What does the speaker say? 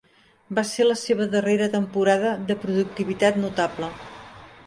Va ser la seva darrera temporada de productivitat notable.